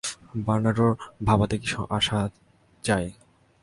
বার্নার্ডোর ভাবাতে কী আসে যায়?